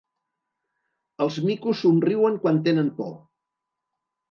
Els micos somriuen quan tenen por.